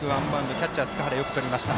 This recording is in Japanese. キャッチャー、塚原よくとりました。